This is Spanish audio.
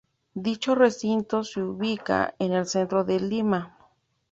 Dicho recinto se ubicaba en el Centro de Lima.